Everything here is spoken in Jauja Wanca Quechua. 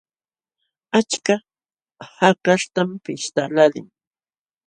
Achka hakaśhtam pishtaqlaalin.